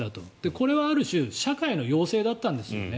これはある種社会の要請だったんですよね。